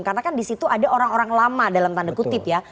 karena kan disitu ada orang orang lama dalam tanda kutip ya